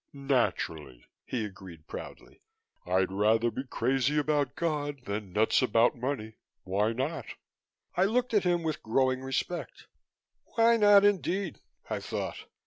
"Naturally," he agreed proudly. "I'd rather be crazy about God than nuts about money. Why not?" I looked at him with growing respect. "Why not, indeed?" I thought.